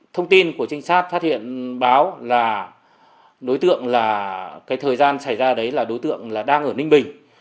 thông tin của trinh sát phát hiện báo là đối tượng là cái thời gian xảy ra đấy là đối tượng là đang ở ninh bình